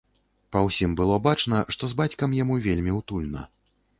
Па ўсім было бачна, што з бацькам яму вельмі утульна.